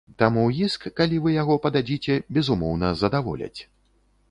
Таму іск, калі вы яго пададзіце, безумоўна, задаволяць.